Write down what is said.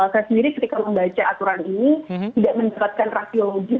saya sendiri ketika membaca artikel ini saya sudah mengingatkan pada saat ini